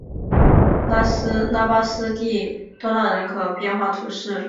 拉巴斯蒂多纳人口变化图示